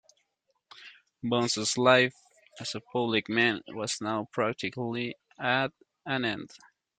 Bunsen's life as a public man was now practically at an end.